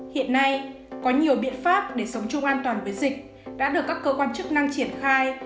hiện nay có nhiều biện pháp để sống chung an toàn với dịch đã được các cơ quan chức năng triển khai